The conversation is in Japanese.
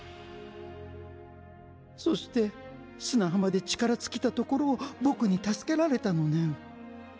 そして砂浜で力尽きたところを僕に助けられたのねん。